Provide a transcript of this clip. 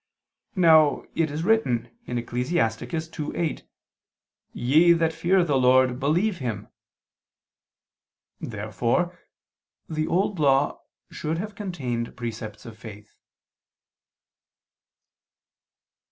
Now it is written (Ecclus. 2:8): "Ye that fear the Lord, believe Him." Therefore the Old Law should have contained precepts of faith.